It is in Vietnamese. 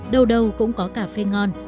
đâu đâu cũng có cà phê ngon